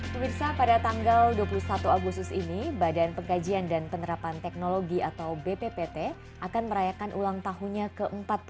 pemirsa pada tanggal dua puluh satu agustus ini badan pengkajian dan penerapan teknologi atau bppt akan merayakan ulang tahunnya ke empat puluh lima